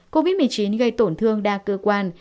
covid một mươi chín gây tổn thương đa cơ quan